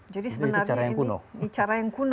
jadi sebenarnya ini cara yang kuno ya